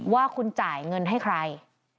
ว่าคุณจ่ายเงินให้ใคร